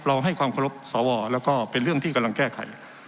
ให้ความเคารพสวแล้วก็เป็นเรื่องที่กำลังแก้ไข